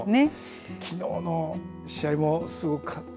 きのうの試合もすごかった。